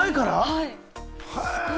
・はい。